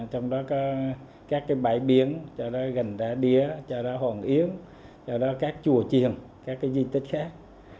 trong đó có các bãi biển gần đá đía hòn yến các chùa triền các di tích khác